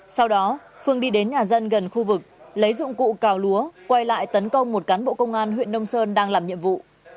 sau đó khương đi đến nhà dân gần khu vực lấy dụng cụ cào lúa quay lại tấn công một cán bộ công an huyện nông sơn đang làm nhiệm vụ